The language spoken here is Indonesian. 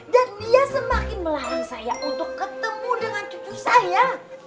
dan dia semakin melarang saya untuk ketemu dengan cucu saya